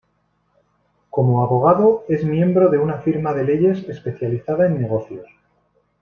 Como abogado es miembro de una firma de leyes especializada en negocios.